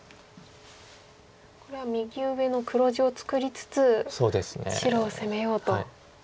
これは右上の黒地を作りつつ白を攻めようと。